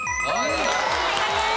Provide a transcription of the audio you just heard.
正解です。